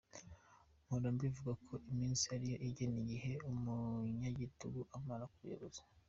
Mpora mbivuga ko iminsi ariyo igena igihe umunyagitugu amara ku buyobozi.